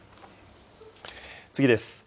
次です。